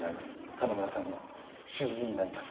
花村さんの主治医になります。